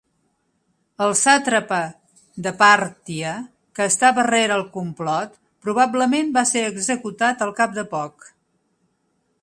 El sàtrapa de Pàrtia que estava rere el complot, probablement va ser executat al cap de poc.